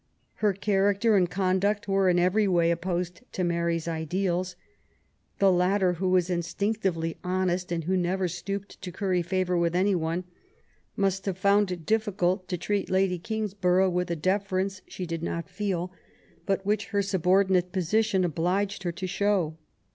Her character and conduct were in every way opposed to Mary's ideals. The latter, who was instinctively honest, and who never stooped to curry favour with anyone, must have found it difficult to treat Lady Kingsborough with a deference fihe did not feel, but which her subordinate position obliged her to show.